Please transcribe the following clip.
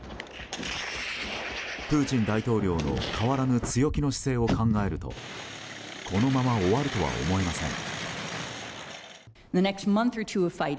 プーチン大統領の変わらぬ強気の姿勢を考えるとこのまま終わるとは思えません。